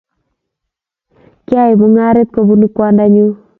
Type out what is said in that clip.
kyaib mungaret kobunu kwandanyu